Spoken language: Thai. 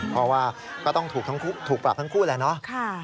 เพราะว่าก็ต้องถูกปรับทั้งคู่แหละเนาะ